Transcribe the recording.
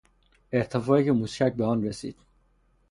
ارتفاعی که موشک به آن رسید